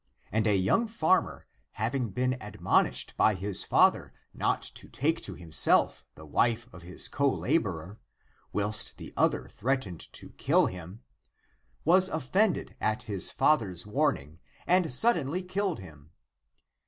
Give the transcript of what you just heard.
And a young farmer, having been admonished by his father not to take to himself the wife of his colaborer, whilst the other threatened to kill him, was offended at his father's warning, and suddenly killed him.